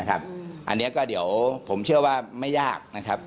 อันนี้ก็เดี๋ยวผมเชื่อว่าไม่ยากนะครับ